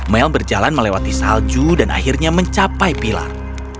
mel berjalan melewati salju dan akhirnya mencapai pilar